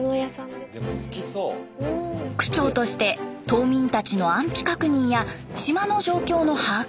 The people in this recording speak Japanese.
区長として島民たちの安否確認や島の状況の把握